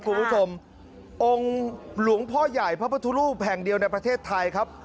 คุณผู้ชมองค์หลวงพ่อใหญ่พระพุทธรูปแห่งเดียวในประเทศไทยครับ